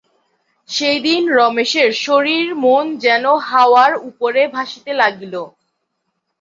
সেদিন রমেশের শরীর মন যেন হাওয়ার উপরে ভাসিতে লাগিল।